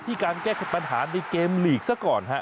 การแก้ปัญหาในเกมลีกซะก่อนฮะ